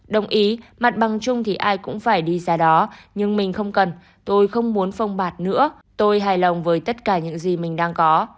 đồng ý mặt bằng chung thì ai cũng phải đi ra đó nhưng mình không cần tôi không muốn phông bạc nữa tôi hài lòng với tất cả những gì mình đang có